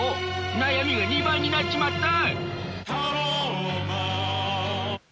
悩みが２倍になっちまった！